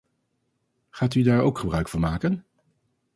Gaat u daar ook gebruik van maken?